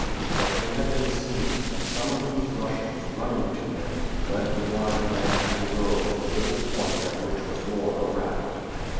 But they had been seen, and some of these Russians, running to them, led the blind man and the girl to a little point at which was moored a raft.